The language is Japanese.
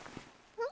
うん！